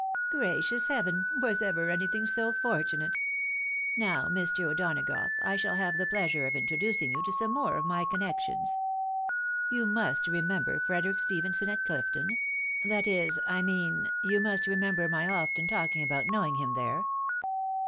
" Gracious heaven ! was ever anything so fortunate ! Now, Mr. O'Donagough, I shall have the pleasure of introducing you to some more of my connections.. You must remember Frederic Stephenson at Clifton — that is, I mean, you must remember my often talking about knowing him there."